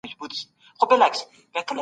تاریخ باید د ایډیالوژۍ له مخې ونه کتل سي.